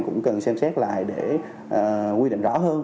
cũng cần xem xét lại để quy định rõ hơn